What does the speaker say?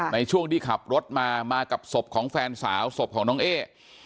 ในช่วงที่ขับรถมามากับศพของแฟนสาวศพของน้องเอ้